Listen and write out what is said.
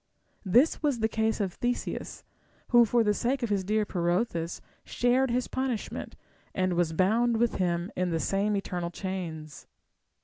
This was the case of Theseus, who for the sake of his dear Pirithous shared his punishment, and was bound with him in the same eternal chains.